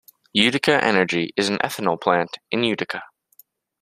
Utica Energy is an ethanol plant in Utica.